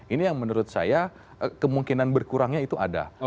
ini yang menurut saya kemungkinan berkurangnya itu ada